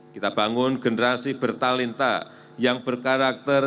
kita bangun generasi bertalenta yang berkarakter